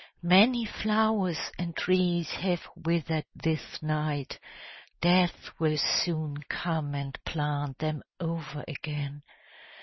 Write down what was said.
Many flowers and trees have withered this night; Death will soon come and plant them over again!